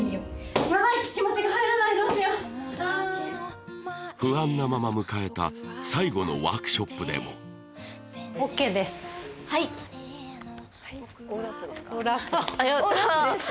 気持ちが入らないどうしようああ不安なまま迎えた最後のワークショップでもはい・オールアップですか？